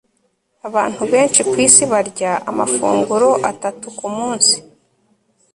abantu benshi kwisi barya amafunguro atatu kumunsi